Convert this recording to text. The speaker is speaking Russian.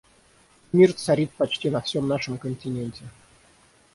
Мир царит почти на всем нашем континенте.